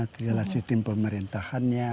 segala sistem pemerintahannya